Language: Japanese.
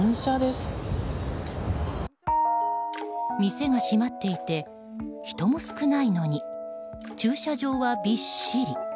店が閉まっていて人も少ないのに駐車場はびっしり。